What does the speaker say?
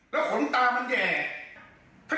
แล้วขนตามันแห่